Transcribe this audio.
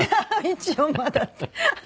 「一応まだ」って。